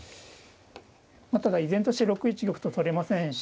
ただ依然として６一玉と取れませんし。